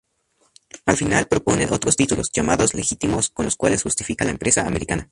Al final propone otros títulos, llamados "legítimos", con los cuales justifica la empresa americana.